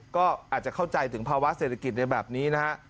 ก็อาจจะเข้าใจถึงภาวะเศรษฐกิจในแบบนี้นะฮะ